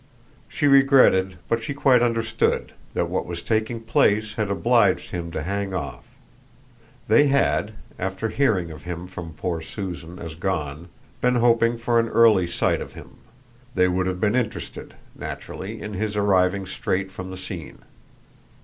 She regretted, but she quite understood, that what was taking place had obliged him to hang off; they had after hearing of him from poor Susan as gone been hoping for an early sight of him; they would have been interested, naturally, in his arriving straight from the scene.